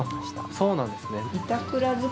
そうなんですね。